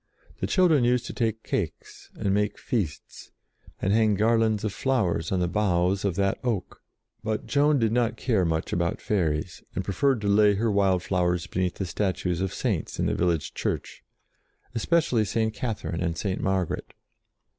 The children used to take cakes, and make feasts, and hang garlands of 8 JOAN OF ARC flowers on the boughs of that oak; but Joan did not care much about fairies, and preferred to lay her wild flowers beneath the statues of Saints in the village Church, especially St. Catherine and St. Margaret.